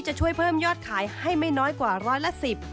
จะช่วยเพิ่มยอดขายให้ไม่น้อยกว่าร้อยละสิบ